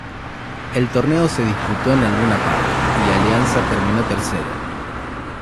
El torneo se disputó en el Luna Park y Alianza terminó tercero.